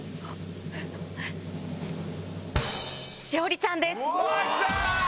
栞里ちゃんです。